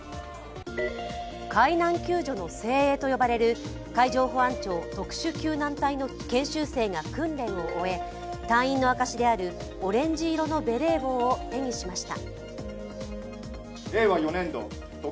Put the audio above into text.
海難救助の精鋭と呼ばれる海上保安庁特殊救難隊の研修生が訓練を終え、隊員の証しであるオレンジ色のベレー帽を手にしました。